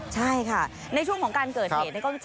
ใช่ค่ะในช่วงของการเกิดเหตุ